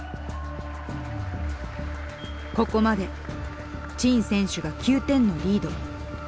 ここまで陳選手が９点のリード。